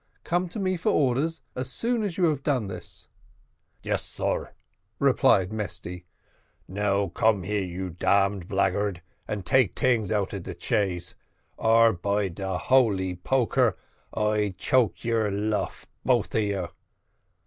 Come to me for orders as soon as you have done this." "Yes, sir," replied Mesty. "Now come here, you damn blackguard, and take tings out of chaise, or by de holy poker I choke your luff, both of you."